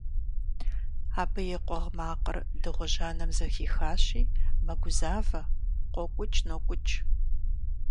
Абы и къугъ макъыр дыгъужь анэм зэхихащи, мэгузавэ, къокӀукӀ-нокӀукӀ.